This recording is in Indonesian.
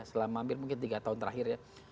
selama hampir mungkin tiga tahun terakhir ya